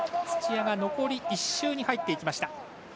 土屋が残り１周に入っていきました。